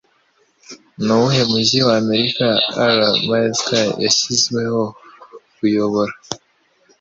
Ni uwuhe mujyi wa Amerika Ally Mcbeal yashyizweho kuyobora?